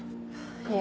いえ。